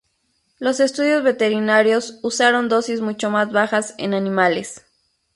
Los estudios veterinarios usaron dosis mucho más bajas en animales.